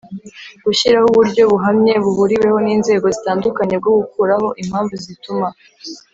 Gushyiraho uburyo buhamye buhuriweho n inzego zitandukanye bwo gukuraho impamvu zituma